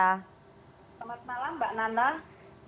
selamat malam mbak nana